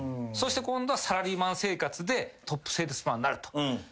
そして今度はサラリーマン生活でトップセールスマンになると。